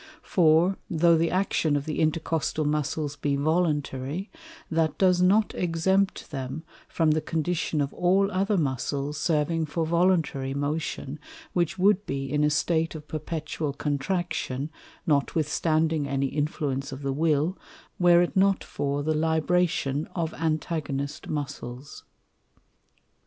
For, tho' the Action of the Intercostal Muscles be voluntary, that does not exempt them from the condition of all other Muscles serving for voluntary motion, which wou'd be in a State of perpetual Contraction, notwithstanding any Influence of the Will, were it not for the Libration of Antagonist Muscles.